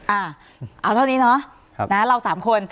อ่าเอาเท่านี้เนาะเรา๓คน